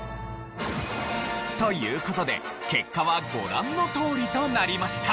という事で結果はご覧のとおりとなりました。